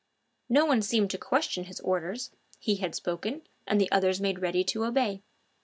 No one seemed to question his orders. He had spoken, and the others made ready to obey.